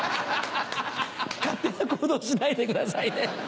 勝手な行動しないでくださいね。